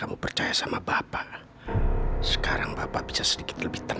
aku hcti yang ibu selalu tak korporasi untuk tahan diri